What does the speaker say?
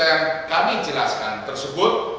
yang kami jelaskan tersebut